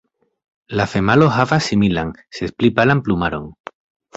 La femalo havas similan, sed pli palan plumaron.